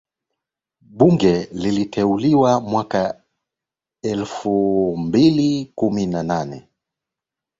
Bunge liliteuliwa mwaka elfu mbili kumi na nne